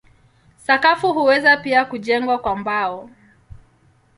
Sakafu huweza pia kujengwa kwa mbao.